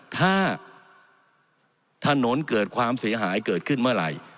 ถ้าถนนเกิดความเสียหายเกิดขึ้นเมื่อไหร่